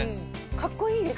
かっこいいです。